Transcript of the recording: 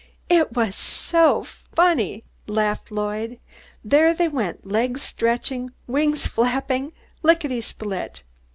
"It was so funny!" laughed Lloyd. "There they went, legs stretching, wings flapping, lickety split!